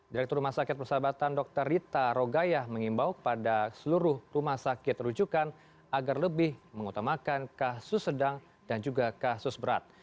direktur rumah sakit persahabatan dr rita rogayah mengimbau kepada seluruh rumah sakit rujukan agar lebih mengutamakan kasus sedang dan juga kasus berat